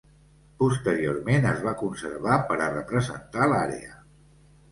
Posteriorment es va conservar per a representar l'àrea.